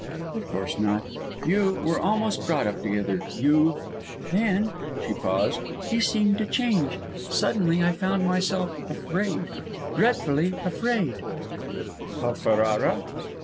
"Of course not! You were almost brought up together. You ?" "Then " she paused "he seemed to change. Suddenly, I found myself afraid dreadfully afraid " "Of Ferrara?"